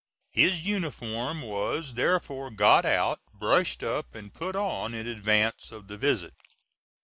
His uniform was therefore got out, brushed up, and put on, in advance of the visit.